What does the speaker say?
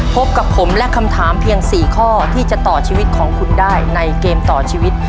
พบกับผมและคำถามเพียง๔ข้อที่จะต่อชีวิตของคุณได้ในเกมต่อชีวิต